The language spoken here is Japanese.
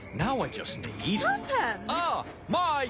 ああ！